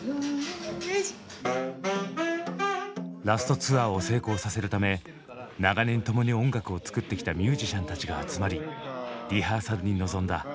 ラスト・ツアーを成功させるため長年共に音楽を作ってきたミュージシャンたちが集まりリハーサルに臨んだ。